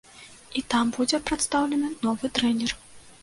І там будзе прадстаўлены новы трэнер.